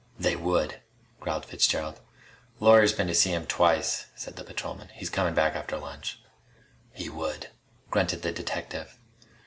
"They would," growled Fitzgerald. "A lawyer's been to see 'em twice," said the patrolman. "He's comin' back after lunch." "He would," grunted the detective.